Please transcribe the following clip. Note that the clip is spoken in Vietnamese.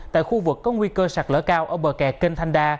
tại khu vực có nguy cơ sạt lở cao ở bờ kè kênh thanh đa